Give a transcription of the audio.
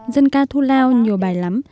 dân ca thu lao nhiều bài lắm